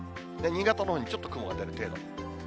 新潟のほうにちょっと雲が出る程度。